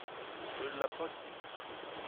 Ne l’a pas qui veut.